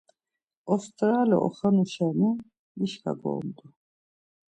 Osterale oxenu şeni dişka gorumt̆u.